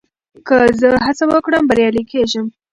که زه هڅه وکړم، بريالی کېږم.